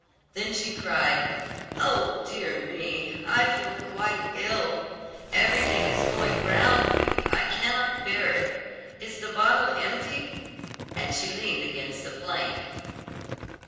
Then she cried, "Oh, dear me; I feel quite ill: everything is going round me, I cannot bear it. Is the bottle empty?" and she leaned against the plank.